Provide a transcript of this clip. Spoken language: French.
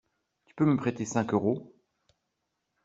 Tu peux me prêter cinq euros?